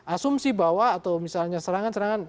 asumsi bahwa atau misalnya serangan serangan